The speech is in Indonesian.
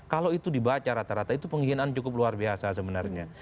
kalau itu dibaca rata rata itu penghinaan cukup luar biasa sebenarnya